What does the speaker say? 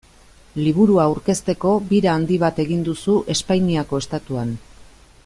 Liburua aurkezteko bira handi bat egin duzu Espainiako Estatuan.